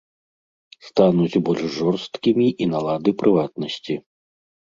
Стануць больш жорсткімі і налады прыватнасці.